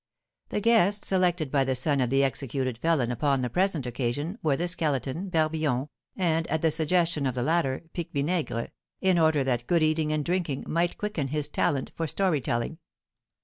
The guests selected by the son of the executed felon upon the present occasion were the Skeleton, Barbillon, and, at the suggestion of the latter, Pique Vinaigre, in order that good eating and drinking might quicken his talent for "storytelling."